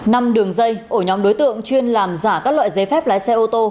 năm đường dây ổ nhóm đối tượng chuyên làm giả các loại giấy phép lái xe ô tô